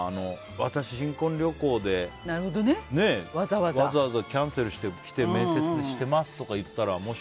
私、新婚旅行でわざわざキャンセルして来て面接してますとか言ったら。